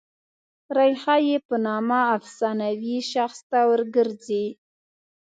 ریښه یې په نامه افسانوي شخص ته ور ګرځي.